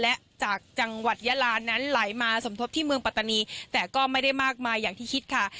และจากจังหวัดยาลานั้นไหลมาสมทบที่เมืองปัตตานีแต่ก็ไม่ได้มากมายอย่างที่คิดค่ะ